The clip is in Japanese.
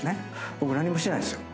僕何にもしてないんすよ。